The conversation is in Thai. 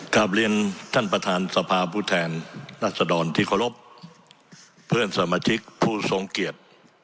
กลับเรียนท่านประธานสภาผู้แทนรัศดรที่เคารพเพื่อนสมาชิกผู้ทรงเกียรติ